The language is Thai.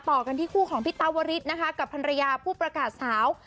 ต่อกันที่คู่ของพี่ตาวริสนะคะกับภรรยาผู้ประกาศสาว